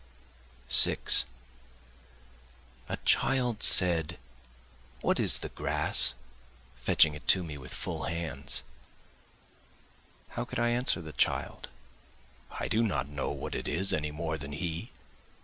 6 A child said What is the grass? fetching it to me with full hands; How could I answer the child? I do not know what it is any more than he.